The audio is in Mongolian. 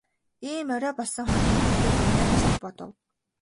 Ийм орой болсон хойно хэн ирдэг байна аа гэж тэр бодов.